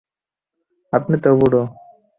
আপনি তো বুড়ো।